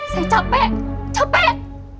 saya capek capek